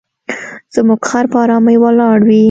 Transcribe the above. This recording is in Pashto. زموږ خر په آرامۍ ولاړ وي.